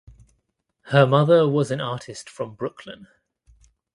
Her mother was an artist from Brooklyn.